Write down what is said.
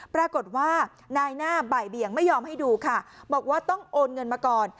ปรากฏว่านายหน้าบ่ายเบียงไม่ยอมให้ดูค่ะบอกว่าต้องโอนเงินมาก่อน